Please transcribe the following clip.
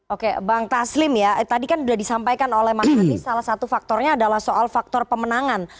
oke bang taslim ya tadi kan sudah disampaikan oleh mas anies salah satu faktornya adalah soal faktor pemenangan